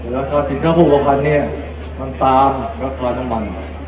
ราคาสินค้าผู้ประพรรณเนี้ยมันตามราคาน้ำมัน